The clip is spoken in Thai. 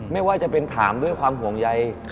ไม่ว่าจะเป็นถามด้วยความห่วงใย